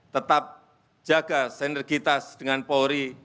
tetap jaga senergitas dengan polis